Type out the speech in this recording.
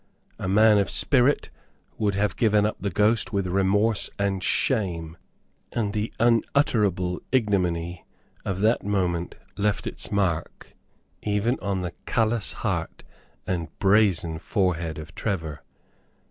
A man of spirit would have given up the ghost with remorse and shame; and the unutterable ignominy of that moment left its mark even on the callous heart and brazen forehead of Trevor.